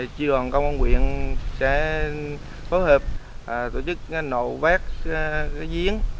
triều đoàn công an huyện sẽ phối hợp tổ chức nội vác giếng